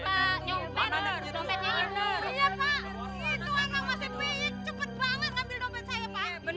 iya pak itu anak masih baik cepet banget ngambil dompet saya pak